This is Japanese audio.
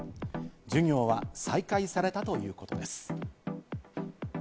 授業は再開されたということです。